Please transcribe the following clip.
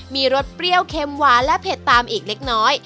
มีรสเปรี้ยวเค็มหวานและเผ็ดตามอีกเล็กน้อย